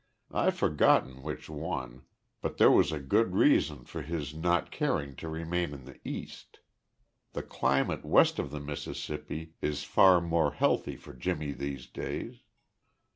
I've forgotten which one, but there was a good reason for his not caring to remain in the East. The climate west of the Mississippi is far more healthy for Jimmy these days.